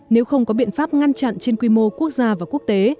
nếu không có biện pháp ngăn chặn trên quy mô quốc gia và quốc tế